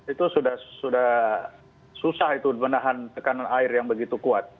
itu sudah susah itu menahan tekanan air yang begitu kuat